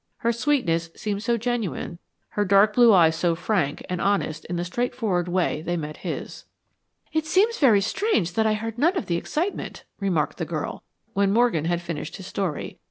Her sweetness seemed so genuine, her dark blue eyes so frank and honest in the straightforward way they met his. "It seems very strange that I heard none of the excitement," remarked the girl, when Morgan had finished his story.